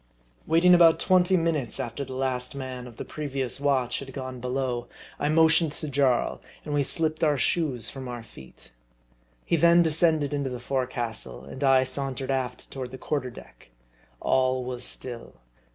Waiting about twenty minutes after the last man of the previous watch had gone below, I motioned to Jaii, and we slipped our shoes from our feet. He then descended into the forecastle, and I sauntered aft toward the quarter deck. All was still.